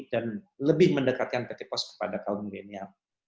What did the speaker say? dan lebih mendekatkan pt pos kepada kaum milenial